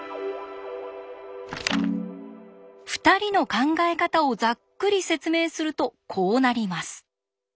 ２人の考え方をざっくり説明するとこうなります。